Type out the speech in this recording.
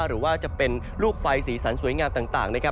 หรือว่าจะเป็นลูกไฟสีสันสวยงามต่างนะครับ